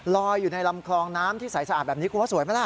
ลอยอยู่ในลำคลองน้ำที่ใสสะอาดแบบนี้คุณว่าสวยไหมล่ะ